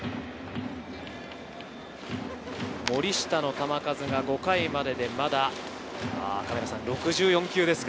森下の球数が５回までで、まだ６４球です。